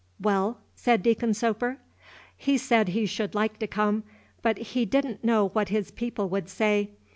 "Well?" said Deacon Soper. "He said he should like to come, but he did n't know what his people would say.